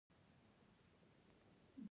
هندوکش د فرهنګي فستیوالونو برخه ده.